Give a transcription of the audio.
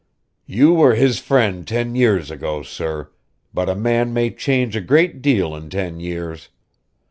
"You were his friend ten years ago, sir, but a man may change a great deal in ten years.